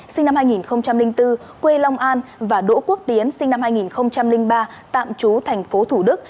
sinh năm hai nghìn bốn quê long an và đỗ quốc tiến sinh năm hai nghìn ba tạm trú tp thủ đức